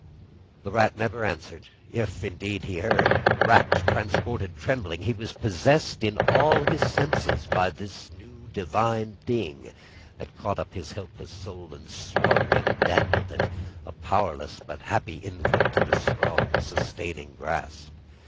The Rat never answered, if indeed he heard. Rapt, transported, trembling, he was possessed in all his senses by this new divine thing that caught up his helpless soul and swung and dandled it, a powerless but happy infant in a strong sustaining grasp.